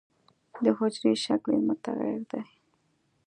د حجرې شکل یې متغیر دی.